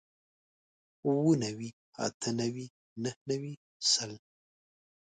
اووه نوي اتۀ نوي نهه نوي سل